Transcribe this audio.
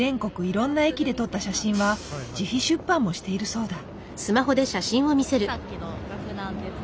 いろんな駅で撮った写真は自費出版もしているそうだ。